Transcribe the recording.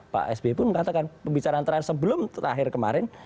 pak sby pun mengatakan pembicaraan terakhir sebelum terakhir kemarin